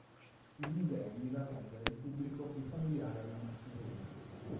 Il museo mira a rendere il pubblico più familiare alla massoneria.